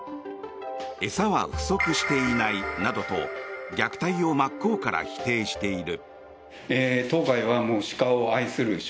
餌は不足していないなどと虐待を真っ向から否定している。